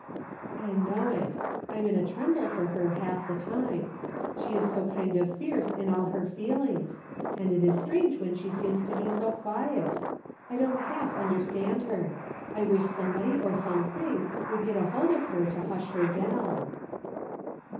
" I know it. I'm in a tremble for her half the time. She is so kind of fierce in all her feelings ; and it is strange, when she seems to be so quiet. I don't half understand her. I wish somebody or something could get hold of her to hush her down."